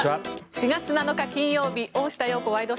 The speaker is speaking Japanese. ４月７日、金曜日「大下容子ワイド！